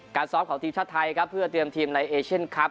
ซ้อมของทีมชาติไทยครับเพื่อเตรียมทีมในเอเชียนคลับ